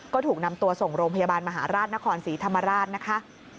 ก็ถูกนำตัวส่งโรงพยาบาลมหาราชนครศรีธรรมราชนะคะ